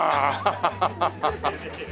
ハハハハ！